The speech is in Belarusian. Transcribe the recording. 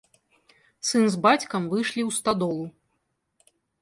Сын з бацькам выйшлі ў стадолу.